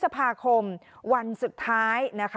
๓พควันสุดท้าย